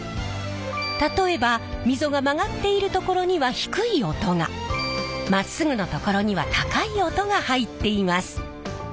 例えば溝が曲がっている所には低い音がまっすぐの所には高い音が入っています。